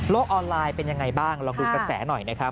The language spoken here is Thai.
ออนไลน์เป็นยังไงบ้างลองดูกระแสหน่อยนะครับ